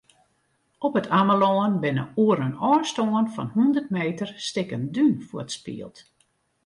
Op It Amelân binne oer in ôfstân fan hûndert meter stikken dún fuortspield.